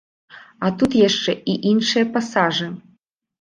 А тут яшчэ і іншыя пасажы.